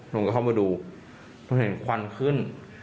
ผมก็เข้ามาดูผมเห็นภันธ์ขึ้น